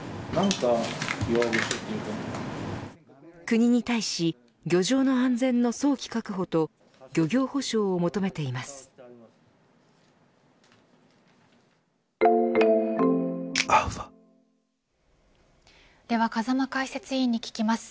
国に対し漁場の安全の早期確保と漁業補償を求めています。